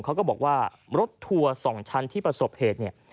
เขาก็บอกว่ารถทัวร์๒ชั้นที่ประสบเหตุเนี่ย